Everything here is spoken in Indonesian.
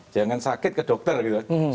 jangan sakit ke dokter gitu kan